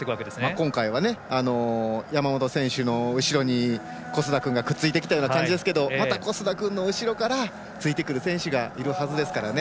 今回は山本選手の後ろに小須田君がくっついてきたような感じですけど小須田君の後ろからついてくる選手がいますから。